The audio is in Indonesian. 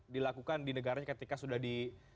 dilakukan di negaranya ketika sudah di